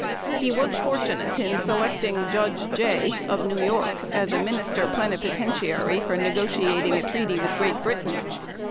He was fortunate in selecting Judge Jay, of New York, as a Minister Plenipotentiary, for negotiating a treaty with Great Britain.